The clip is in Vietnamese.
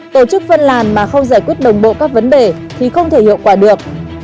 tổ chức phân làn mà không giải quyết đồng bộ các vấn đề thì không thể hiệu quả được